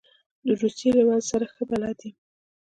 د روسیې له وضع سره ښه بلد یم.